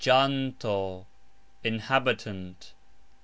logxanto : inhabitant.